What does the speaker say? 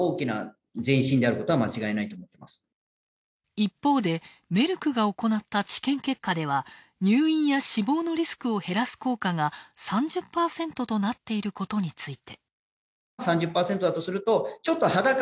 一方で、メルクが行った治験結果では入院や死亡のリスクを減らす効果が３０％となっていることについて。